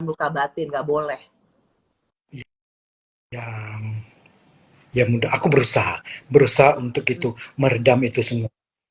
muka batin nggak boleh yang aku berusaha berusaha untuk itu meredam itu semua